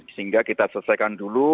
sehingga kita selesaikan dulu